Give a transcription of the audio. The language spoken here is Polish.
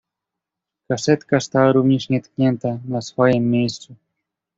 "Kasetka stała również nietknięta na swojem miejscu."